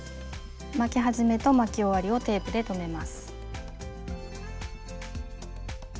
巻き始めと巻き終わりをテープで留めます。